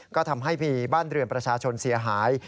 ก็ทำให้มีบ้านเรือนประชาชนเสียหาย